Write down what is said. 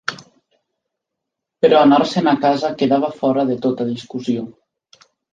Però anar-se'n a casa quedava fora de tota discussió.